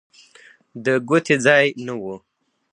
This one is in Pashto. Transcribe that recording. د ګوتې ځای نه و.